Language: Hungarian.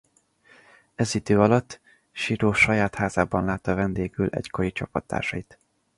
Ez idő alatt Siró saját házában látta vendégül egykori csapattársait.